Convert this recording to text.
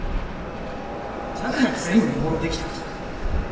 じゃから全部もろうてきたんじゃ。